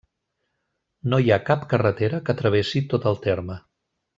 No hi ha cap carretera que travessi tot el terme.